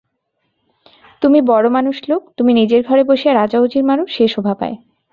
তুমি বড়ো-মানুষ লোক, তুমি নিজের ঘরে বসিয়া রাজা-উজির মার, সে শোভা পায়।